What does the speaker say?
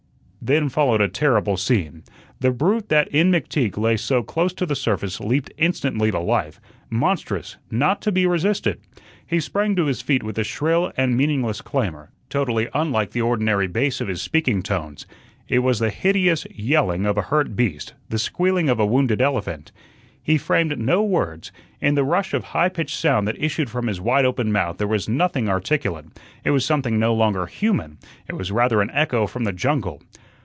Then followed a terrible scene. The brute that in McTeague lay so close to the surface leaped instantly to life, monstrous, not to be resisted. He sprang to his feet with a shrill and meaningless clamor, totally unlike the ordinary bass of his speaking tones. It was the hideous yelling of a hurt beast, the squealing of a wounded elephant. He framed no words; in the rush of high pitched sound that issued from his wide open mouth there was nothing articulate. It was something no longer human; it was rather an echo from the jungle.